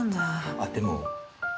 あっでも。